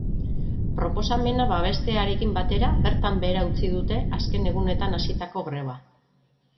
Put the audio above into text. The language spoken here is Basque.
Proposamena babestearekin batera bertan behera utzi dute azken egunetan hasitako greba.